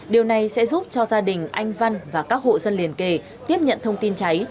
điều này sẽ giúp cho gia đình anh văn và các hộ dân liền kề tiếp nhận thông tin cháy